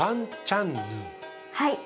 はい。